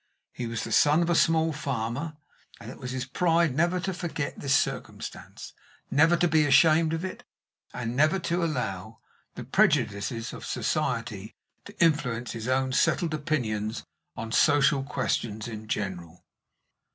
He was the son of a small farmer, and it was his pride never to forget this circumstance, never to be ashamed of it, and never to allow the prejudices of society to influence his own settled opinions on social questions in general.